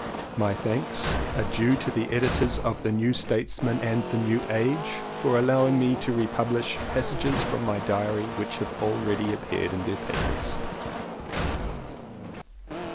My thanks are due to the editors of The New Statesman and The New Age for allowing me to republish passages from my diary which have already appeared in their papers.